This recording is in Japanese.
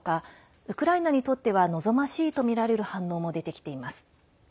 ウクライナにとっては望ましいとみられる反応も出てきています。